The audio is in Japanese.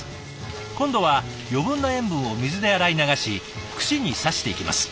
今度は余分な塩分を水で洗い流し串に刺していきます。